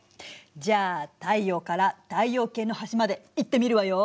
じゃあ太陽から太陽系の端まで行ってみるわよ！